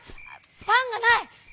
パンがない！」。